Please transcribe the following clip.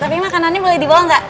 tapi makanannya boleh dibawa nggak